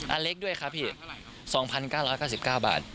อันเล็กด้วยครับพี่๒๙๙๙บาท